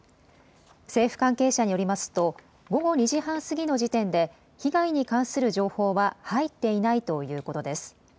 政府関係者によりますと午後２時半過ぎの時点で被害に関する情報は入っていないということです。